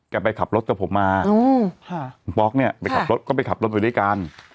แกไปขับรถกับผมมาอืมค่ะป๊อกเนี้ยค่ะก็ไปขับรถด้วยด้วยกัน